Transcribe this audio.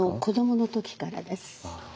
子どもの時からです。